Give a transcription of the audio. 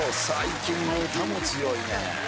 最近の歌も強いね。